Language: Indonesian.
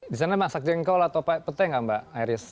di sana masak jengkol atau petai nggak mbak iris